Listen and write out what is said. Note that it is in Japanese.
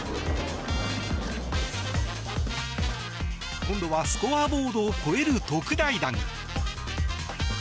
今度はスコアボードを越える特大弾。